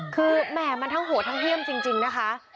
คือแหม่มันทั้งโหดทั้งเยี่ยมจริงนะคะ